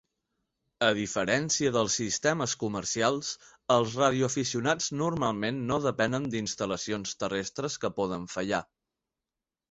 A diferència dels sistemes comercials, els radioaficionats normalment no depenen d'instal·lacions terrestres que poden fallar.